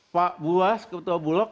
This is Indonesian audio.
pak buas ketua bulog